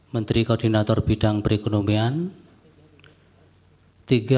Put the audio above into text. menteri koordinator bidang pembangunan manusia dan kebudayaan republik indonesia